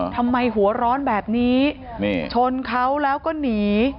ทำไมหัวร้อนแบบนี้ชนเขาแล้วก็หนี